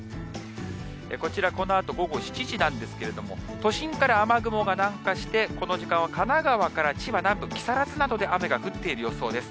こちら、このあと午後７時なんですけれども、都心から雨雲が南下して、この時間は神奈川から千葉南部、木更津などで雨が降ってる予想です。